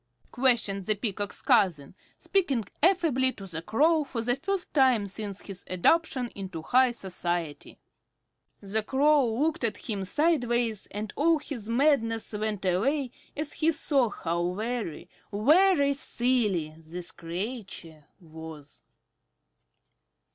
questioned the Peacock's cousin, speaking affably to the Crow, for the first time since his adoption into high society. The Crow looked at him sideways, and all his madness went away as he saw how very, very silly this creature was.